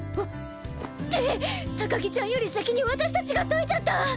って高木ちゃんより先に私たちが解いちゃった！